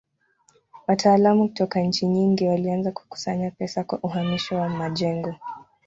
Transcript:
Wataalamu kutoka nchi nyingi walianza kukusanya pesa kwa uhamisho wa majengo.